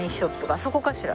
あそこかしら？